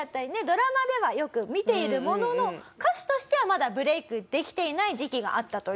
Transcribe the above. ドラマではよく見ているものの歌手としてはまだブレークできていない時期があったという事なんです。